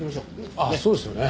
ああそうですよね。